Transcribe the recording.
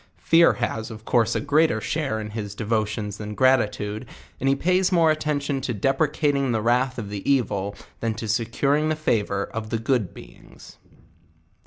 Fear has of course a greater share in his de votions than gratitude, and he pays more attention to depre cating the wrath of the evil, than to securing the favour of the good beings.